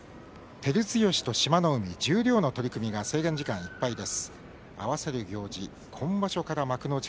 照強、志摩ノ海十両の取組制限時間いっぱいです。